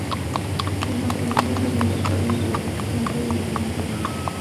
El matrimonio era obligatorio entre gente de diferente rango.